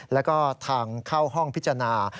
แล้วก็ทางเข้าห้องพิจารณา